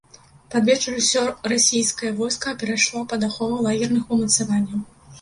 Пад вечар усё расійскае войска перайшло пад ахову лагерных умацаванняў.